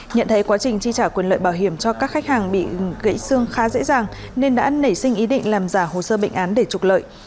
nhận thấy quá trình chi trả quyền lợi bảo hiểm cho các khách hàng bị gãy xương khá dễ dàng nên đã nảy sinh ý định làm giả hồ sơ bệnh án để trục lợi